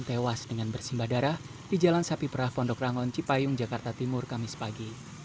tewas dengan bersimbah darah di jalan sapi perah pondok rangon cipayung jakarta timur kamis pagi